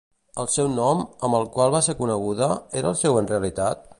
El seu nom, amb el qual va ser coneguda, era el seu en realitat?